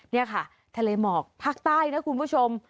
นี่ค่ะทะเลหมอกภาคใต้นะคุณผู้ชม